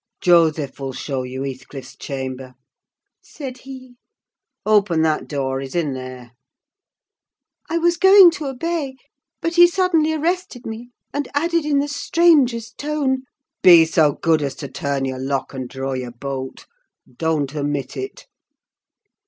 "Joseph will show you Heathcliff's chamber," said he; "open that door—he's in there." I was going to obey, but he suddenly arrested me, and added in the strangest tone—"Be so good as to turn your lock, and draw your bolt—don't omit it!"